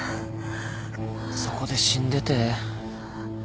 そこで死んでて。